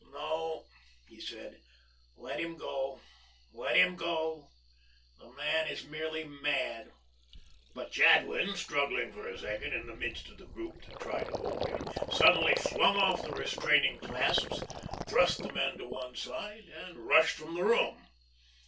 "No," he said, "let him go, let him go. The man is merely mad." But, Jadwin, struggling for a second in the midst of the group that tried to hold him, suddenly flung off the restraining clasps, thrust the men to one side, and rushed from the room.